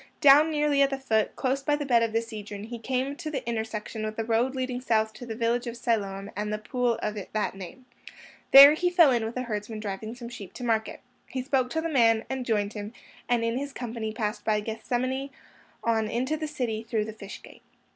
Down nearly at the foot, close by the bed of the Cedron, he came to the intersection with the road leading south to the village of Siloam and the pool of that name. There he fell in with a herdsman driving some sheep to market. He spoke to the man, and joined him, and in his company passed by Gethsemane on into the city through the Fish Gate.